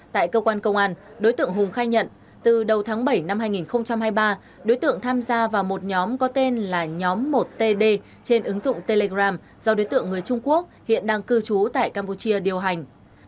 tại cơ quan công an đối tượng hùng khai nhận từ đầu tháng bảy năm hai nghìn hai mươi ba đối tượng tham gia vào một nhóm có tên là nhóm một td trên ứng dụng telegram do đối tượng người trung quốc hiện đang cư trú tại campuchia điều hành